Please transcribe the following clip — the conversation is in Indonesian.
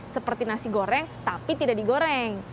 seperti nasi goreng tapi tidak digoreng